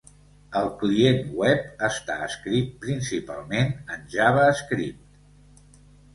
El client web està escrit principalment en JavaScript.